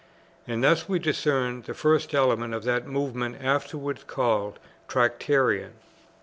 And thus we discern the first elements of that movement afterwards called Tractarian.